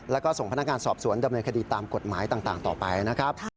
แล้วก็ส่งพนักงานสอบสวนดำเนินคดีตามกฎหมายต่างต่อไปนะครับ